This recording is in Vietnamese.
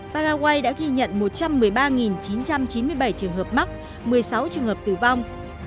paraguay đã ghi nhận một trăm một mươi ba chín trăm chín mươi bảy trường hợp mắc một mươi sáu trường hợp tử vong